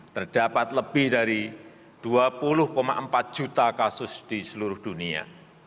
terdapat lebih dari dua puluh empat juta kasus di seluruh dunia